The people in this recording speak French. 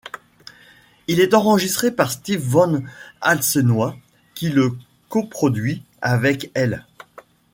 Il est enregistré par Stef Van Alsenoy qui le coproduit avec elle.